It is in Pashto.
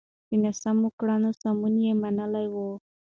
د ناسمو کړنو سمون يې منلی و.